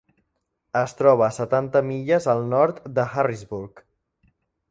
Es troba a setanta milles al nord d 'Harrisburg.